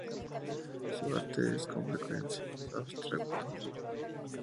Su arte es, con frecuencia, abstracto.